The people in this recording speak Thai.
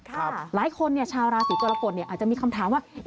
หลายคนชาวราศีกรกฎอาจจะมีคำถามว่า